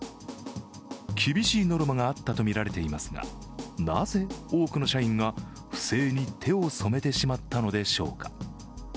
厳しいノルマがあったとみられていますが、なぜ多くの社員が不正に手を染めてしまったのでしょうか。